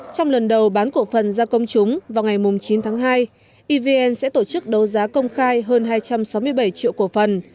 trong lần đầu bán cổ phần ra công chúng vào ngày chín tháng hai evn sẽ tổ chức đấu giá công khai hơn hai trăm sáu mươi bảy triệu cổ phần